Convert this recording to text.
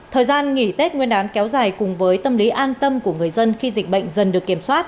thời gian nghỉ tết nguyên đán kéo dài cùng với tâm lý an tâm của người dân khi dịch bệnh dần được kiểm soát